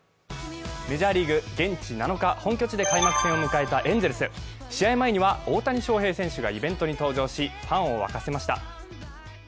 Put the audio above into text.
メジャーリーグ、現地７日、本拠地で開幕を迎えたエンゼルス。試合前には大谷翔平選手がイベントに登場しファンを沸かせました。